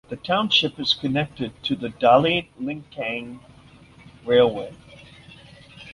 The township is connected to the Dali–Lincang railway.